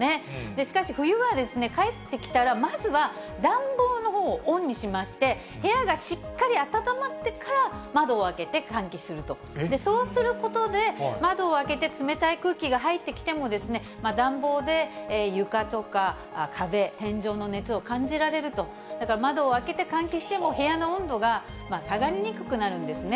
しかし、冬は帰ってきたらまずは暖房のほうをオンにしまして、部屋がしっかり暖まってから、窓を開けて換気すると、そうすることで、窓を開けて冷たい空気が入ってきても、暖房で床とか風、天井の熱を感じられると、だから窓を開けて換気しても部屋の温度が下がりにくくなるんですね。